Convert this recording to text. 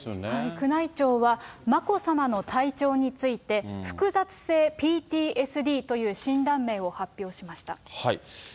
宮内庁は、眞子さまの体調について、複雑性ＰＴＳＤという診断名を発表しました。